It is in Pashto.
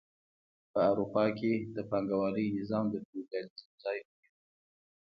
په اروپا کې د پانګوالۍ نظام د فیوډالیزم ځای ونیو.